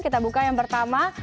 kita buka yang pertama